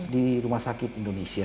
di rumah sakit indonesia